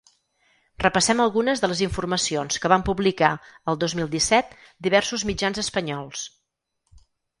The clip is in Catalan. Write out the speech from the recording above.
Repassem algunes de les informacions que van publicar el dos mil disset diversos mitjans espanyols.